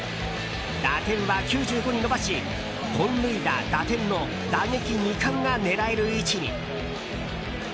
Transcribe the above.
打点は９５に伸ばし本塁打・打点の打撃２冠が狙える位置に。